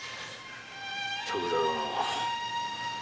徳田殿。